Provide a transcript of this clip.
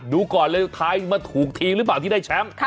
ดูก่อนเลยไทยมาถูกทีมหรือเปล่าที่ได้แชมป์